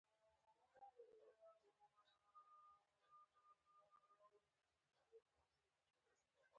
پر ایران د حملې خیال ولري.